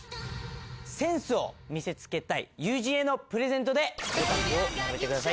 センスを見せつけたい友人へのプレゼントでゴタクを並べてください